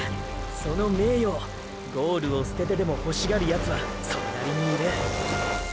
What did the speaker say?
その名誉をゴールを捨ててでも欲しがるヤツはそれなりにいる！！